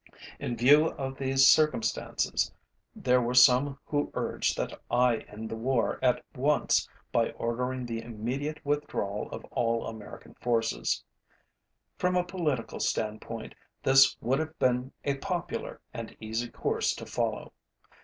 In view of these circumstances, there were some who urged that I end the war at once by ordering the immediate withdrawal of all American forces. From a political standpoint, this would have been a popular and easy course to follow.